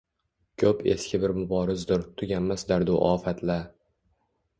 Koʻb eski bir muborizdur, tuganmas dardu ofat-la